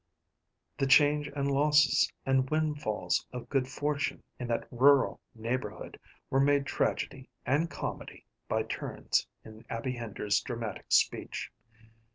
The changes and losses and windfalls of good fortune in that rural neighborhood were made tragedy and comedy by turns in Abby Hender's dramatic speech.